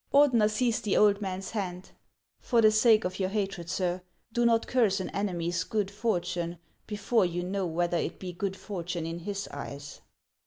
Ordener seized the old man's hand. " For the sake of your hatred, sir, do not curse an enemy's good fortune before you know whether it be good fortune in his eyes."